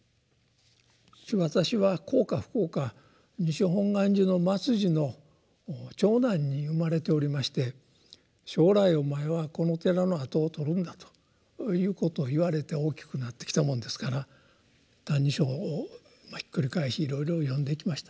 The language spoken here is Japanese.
私は幸か不幸か西本願寺の末寺の長男に生まれておりまして「将来お前はこの寺の跡をとるんだ」ということを言われて大きくなってきたものですから「歎異抄」をひっくり返しいろいろ読んできました。